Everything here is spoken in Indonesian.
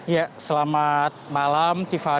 ya selamat malam tifa nih